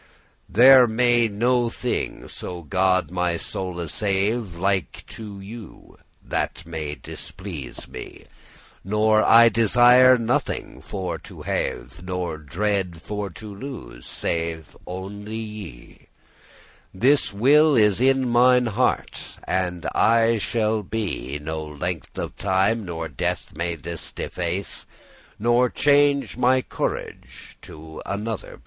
"There may no thing, so God my soule save, *Like to* you, that may displease me: *be pleasing* Nor I desire nothing for to have, Nor dreade for to lose, save only ye: This will is in mine heart, and aye shall be, No length of time, nor death, may this deface, Nor change my corage* to another place."